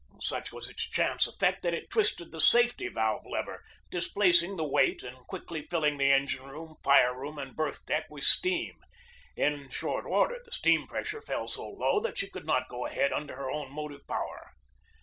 Such was its chance effect that it twisted the safety valve lever, displacing the weight and quickly filling the engine room, fire room, and berth deck with steam. In short order the steam pressure fell so low that she could not go ahead under her own motive power.